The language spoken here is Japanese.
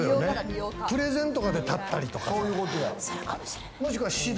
プレゼンとかで立ったりとか。